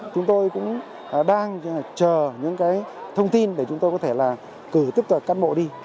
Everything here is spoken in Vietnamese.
chúng tôi cũng đang chờ những thông tin để chúng tôi có thể cử tiếp tục cán bộ đi